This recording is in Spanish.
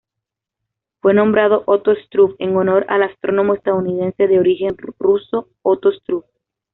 Fue nombrado Otto Struve en honor al astrónomo estadounidense de origen ruso Otto Struve.